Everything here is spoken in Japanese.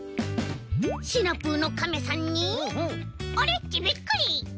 シナプーのカメさんにオレっちびっくり！